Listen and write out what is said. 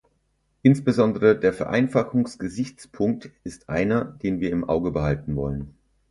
Insbesondere der Vereinfachungsgesichtspunkt ist einer, den wir im Auge behalten wollen.